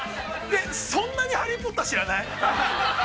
◆そんなに「ハリー・ポッター」、知らない？